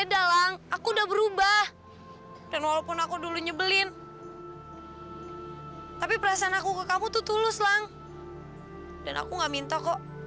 ada yang baru bayikan nih